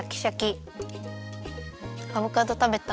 アボカドたべた？